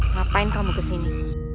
ngapain kamu kesini